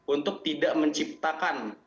untuk tidak menciptakan